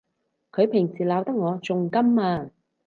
佢平時鬧得我仲甘啊！